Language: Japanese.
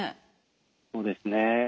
そうですね。